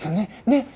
ねっ？